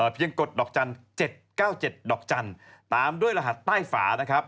กดดอกจันทร์๗๙๗ดอกจันทร์ตามด้วยรหัสใต้ฝานะครับ